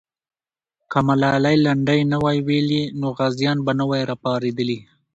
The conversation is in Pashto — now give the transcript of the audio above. که ملالۍ لنډۍ نه وای ویلې، نو غازیان به نه وای راپارېدلي.